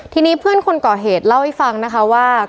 ทีนี้เพื่อนคนก่อเหตุเล่าให้ฟังนะคะว่า